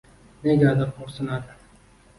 Negadir xo‘rsinadi.